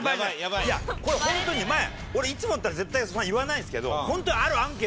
いやこれホントに前俺いつもだったら絶対そんなの言わないですけどホントに。